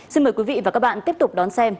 xin mời quý vị và các bạn tiếp tục đón xem